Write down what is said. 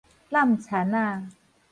湳田仔